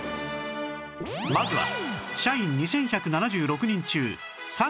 まずは